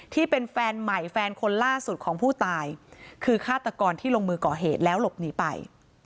ที่เป็นแฟนใหม่แฟนคนล่าสุดของผู้ตายคือฆาตกรที่ลงมือก่อเหตุแล้วหลบหนีไป